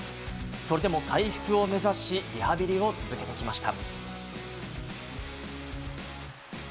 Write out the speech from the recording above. それでも回復を目指し、リハビリを続けてきました。